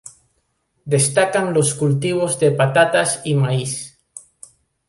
Destacan los cultivos de patatas y maíz.